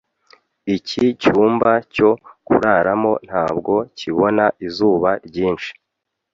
Iki cyumba cyo kuraramo ntabwo kibona izuba ryinshi.